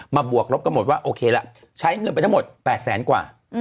บวกลบกันหมดว่าโอเคละใช้เงินไปทั้งหมด๘แสนกว่า